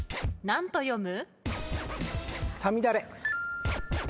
何と読む？